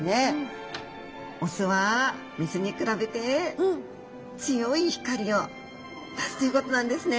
オスはメスに比べて強い光を出すということなんですね。